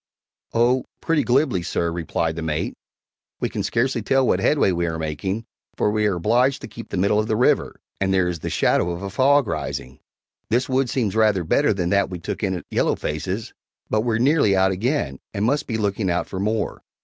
"Oh, pretty glibly, sir," replied the mate; "we can scarcely tell what headway we are making, for we are obliged to keep the middle of the river, and there is the shadow of a fog rising. This wood seems rather better than that we took in at Yellow Face's, but we're nearly out again, and must be looking out for more.